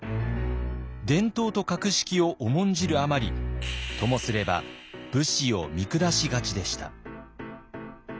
伝統と格式を重んじるあまりともすれば武士を見下しがちでした。